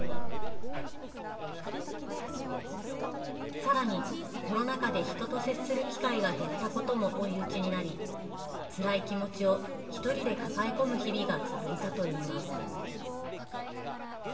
さらにコロナ禍で人と接する機会が減ったことも追い打ちになりつらい気持ちを１人で抱え込む日々が続いたといいます。